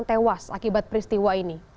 tewas akibat peristiwa ini